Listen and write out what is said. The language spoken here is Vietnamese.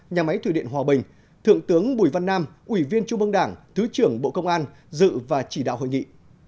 nhà máy thủy điện hòa bình thượng tướng bùi văn nam ủy viên trung ương đảng thứ trưởng bộ công an dự và chỉ đạo hội nghị